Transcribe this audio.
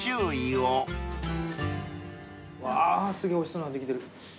うわーすげぇおいしそうなんできてる。